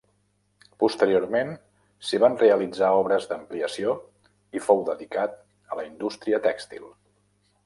Posteriorment s'hi van realitzar obres d'ampliació i fou dedicat a la indústria tèxtil.